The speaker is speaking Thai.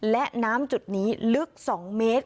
และน้ำจุดนี้ลึก๒เมตร